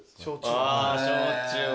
あ焼酎を。